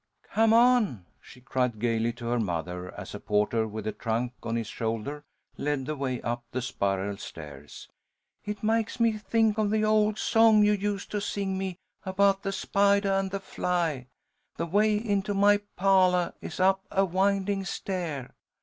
"Come on!" she cried, gaily, to her mother, as a porter with a trunk on his shoulder led the way up the spiral stairs. "It makes me think of the old song you used to sing me about the spidah and the fly, 'The way into my pahlah is up a winding stair.'